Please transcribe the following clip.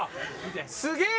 すげえ！